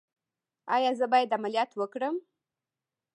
ایا زه باید عملیات وکړم؟